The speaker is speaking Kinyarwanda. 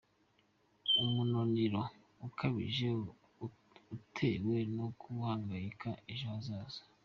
Umunaniro ukabije utewe no guhangayikira ejo hazaza.